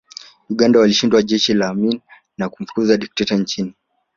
Uganda walishinda jeshi la Amin na kumfukuza dikteta nchini